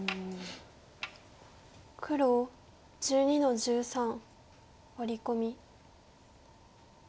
黒１２の十三ワリコミ。